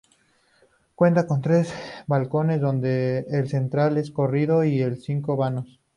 Cuenta con tres balcones, donde el central es corrido, y cinco vanos.